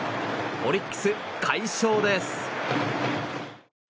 オリックス、快勝です。